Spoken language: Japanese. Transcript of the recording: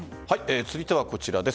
続いてはこちらです。